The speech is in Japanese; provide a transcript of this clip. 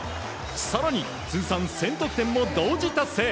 更に通算１０００得点も同時達成。